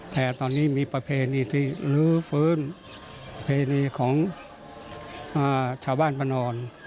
แต่ตอนนี้มีประเพณีที่ลื้อฟื้นเพณีของชาวบ้านประนอน